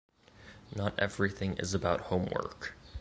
Not everything is about homework.